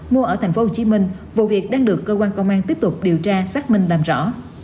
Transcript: mua ở tp hcm vụ việc đang được cơ quan công an tiếp tục điều tra xác minh làm rõ